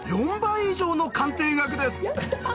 ４倍以上の鑑定額です！